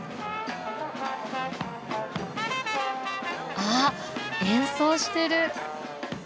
あっ演奏してる！